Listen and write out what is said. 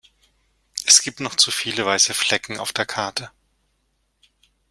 Es gibt noch zu viele weiße Flecken auf der Karte.